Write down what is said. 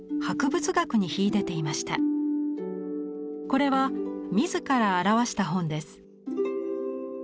これは自ら著した本です。